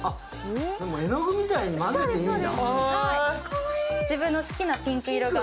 でも絵の具みたいに混ぜていいんだ。